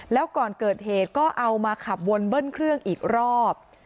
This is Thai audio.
แล้วก่อนเกิดเหตุก็เอามาขับวนเบิ้ลเครื่องอีกรอบ